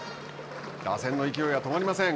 打線の勢いは止まりません。